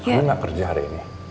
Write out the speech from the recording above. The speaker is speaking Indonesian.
alir gak kerja hari ini